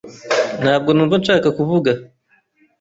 Ntabwo numva nshaka kuvuga.